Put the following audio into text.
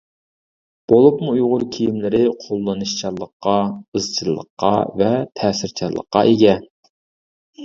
بولۇپمۇ ئۇيغۇر كىيىملىرى قوللىنىشچانلىققا، ئىزچىللىققا ۋە تەسىرچانلىققا ئىگە.